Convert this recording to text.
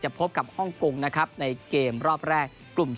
พบกับฮ่องกงนะครับในเกมรอบแรกกลุ่ม๒